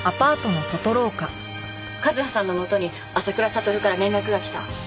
和葉さんのもとに浅倉悟から連絡がきた。